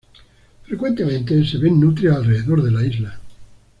Frecuentemente se ven nutrias alrededor de la isla.